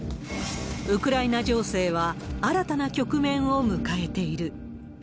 ウクライナ情勢は新たな局面を迎えている。